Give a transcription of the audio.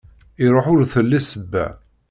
Iruḥ ur telli ssebba.